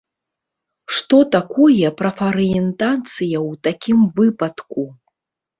Што такое прафарыентацыя ў такім выпадку?